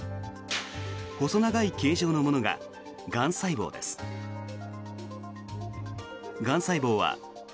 細長い形状のものががん細胞です。